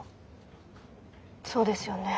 そうですよね。